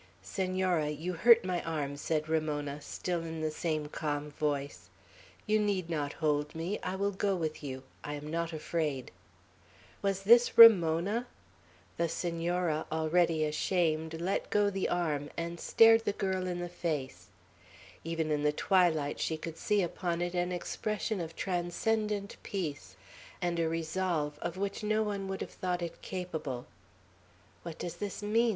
"Senora, you hurt my arm," said Ramona, still in the same calm voice. "You need not hold me. I will go with you. I am not afraid." Was this Ramona? The Senora, already ashamed, let go the arm, and stared in the girl's face. Even in the twilight she could see upon it an expression of transcendent peace, and a resolve of which no one would have thought it capable. "What does this mean?"